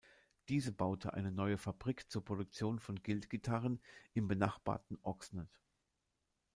Diese baute eine neue Fabrik zur Produktion von Guild Gitarren im benachbarten Oxnard.